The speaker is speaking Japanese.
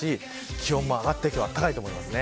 気温も上がって暖かいと思います。